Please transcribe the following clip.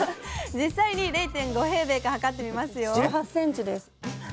実際に０．５か測ってみますよ！